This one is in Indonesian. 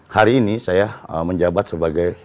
hari ini saya menjabat sebagai